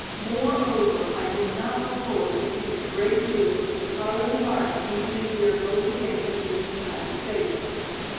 Moreover, I do not look forward to seeing a great deal of Mr. Carlo Navara even if we are both again to be in the United States.